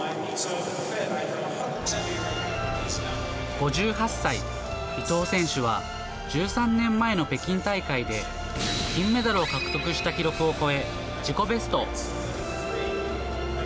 ５８歳、伊藤選手は１３年前の北京大会で金メダルを獲得した記録を超え、自己ベスト。